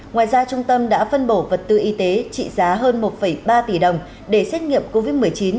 ngoài ra trung tâm đã phân bổ vật tư y tế trị giá hơn một ba tỷ đồng để xét nghiệm covid một mươi chín